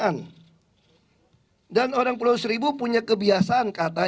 jadi siapa itu yang berbuatkan semedaftar